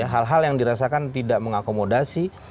hal hal yang dirasakan tidak mengakomodasi